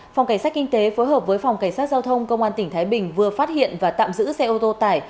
phòng cảnh sát kinh tế phối hợp với phòng cảnh sát giao thông công an tỉnh thái bình vừa phát hiện và tạm giữ xe ô tô tải